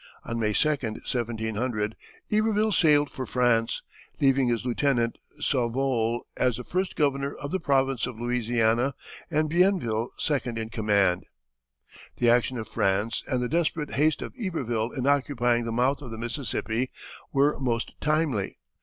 On May 2, 1700, Iberville sailed for France, leaving his lieutenant, Sauvole, as the first governor of the province of Louisiana and Bienville second in command. The action of France and the desperate haste of Iberville in occupying the mouth of the Mississippi were most timely.